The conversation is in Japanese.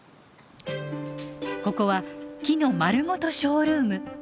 ここは木のまるごとショールーム。